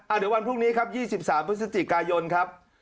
เดี๋ยววันพรุ่งนี้ครับ๒๓พฤศจิกายนครับ